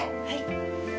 はい。